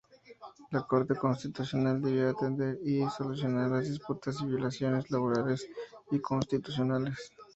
La Corte Constitucional debía atender y solucionar las disputas y violaciones laborales y constitucionales.